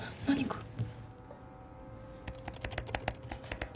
何か。